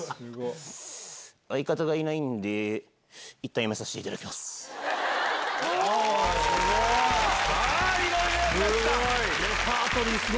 相方がいないんでいったんやめさせていただきます。